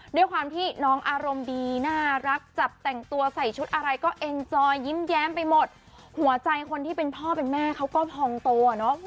ด้วยความที่น้องอารมณ์ดีน่ารักจับแต่งตัวใส่ชุดอะไรก็เอ็นจอยยิ้มแย้มไปหมดหัวใจคนที่เป็นพ่อเป็นแม่เขาก็พองโตอ่ะเนอะ